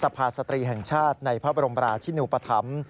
ภาษตรีแห่งชาติในพระบรมราชินูปธรรม